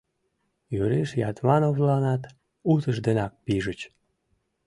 Юриш Ятмановланат утыжденак пижыч.